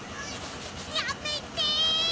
やめて！